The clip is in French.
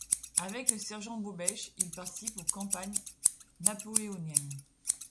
Avec le sergent Bobêche, il participe aux campagnes napoléoniennes.